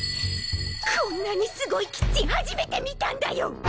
こんなにすごいキッチン初めて見たんだよ！